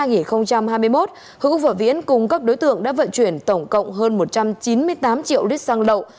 hữu hữu phở viễn cùng các đối tượng đã vận chuyển tổng cộng hơn một trăm chín mươi tám triệu lít xăng lậu